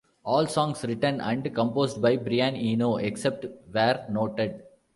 All songs written and composed by Brian Eno, except where noted.